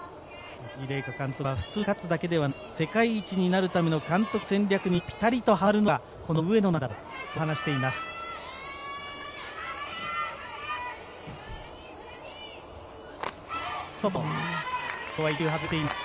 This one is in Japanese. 宇津木麗華監督は普通に勝つだけではなく世界一になるための監督の戦略にピタリとはまるのがこの上野なんだとそう話しています。